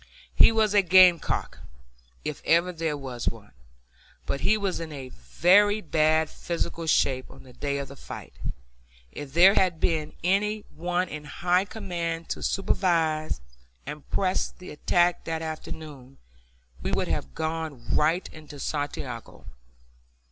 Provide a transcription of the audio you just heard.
He was a gamecock if ever there was one, but he was in very bad physical shape on the day of the fight. If there had been any one in high command to supervise and press the attack that afternoon, we would have gone right into Santiago.